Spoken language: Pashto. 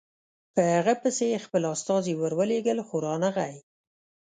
په هغه پسې یې خپل استازي ورولېږل خو رانغی.